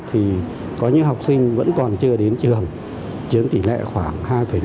thì có những học sinh vẫn còn chưa đến trường chiếm tỷ lệ khoảng hai năm